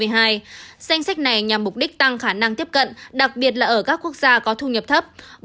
danh sách này nhằm mục đích tăng khả năng tiếp cận đặc biệt là ở các quốc gia có thu nhập thấp